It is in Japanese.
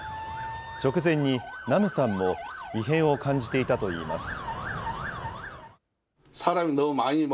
直前にナムさんも異変を感じていたといいます。